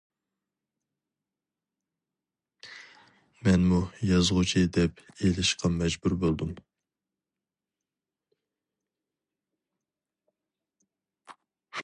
مەنمۇ يازغۇچى دەپ ئېلىشقا مەجبۇر بولدۇم.